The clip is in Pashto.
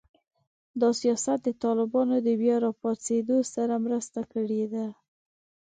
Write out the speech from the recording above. دا سیاست د طالبانو د بیا راپاڅېدو سره مرسته کړې ده